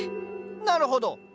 なるほど。